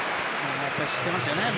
やっぱり知ってますよね。